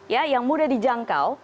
ya yang mudah dijangkau